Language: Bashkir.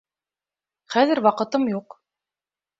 Хәҙер ваҡытым юҡ.